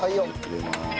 入れます。